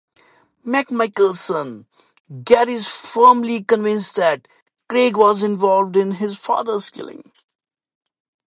McMichael's son, Gary is firmly convinced that Craig was involved in his father's killing.